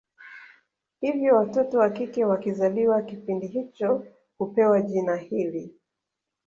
Hivyo watoto wakike wakizaliwa kipindi hicho hupewa jina hili